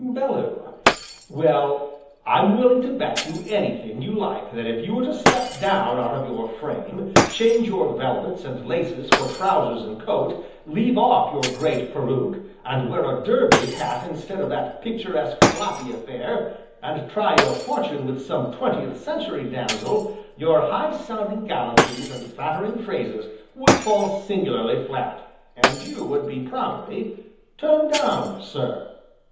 BELLEW: Well, I'm willing to bet you anything you like that if you were to step down out of your frame, change your velvets and laces for trousers and coat, leave off your great peruke, and wear a derby hat instead of that picturesque, floppy affair, and try your fortune with some Twentieth Century damsel, your high sounding gallantries, and flattering phrases, would fall singularly flat, and you would be promptly turned down, sir.